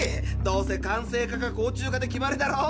どうせ管制課か航宙課で決まりだろ。